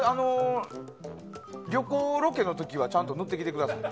旅行ロケの時はちゃんと塗ってきてください。